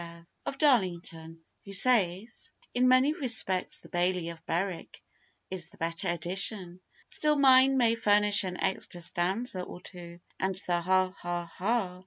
of Darlington, who says, 'in many respects the Baillie of Berwick is the better edition—still mine may furnish an extra stanza or two, and the ha! ha! ha!